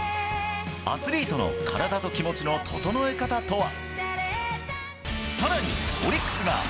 アスリートの体と気持ちの整え方とは。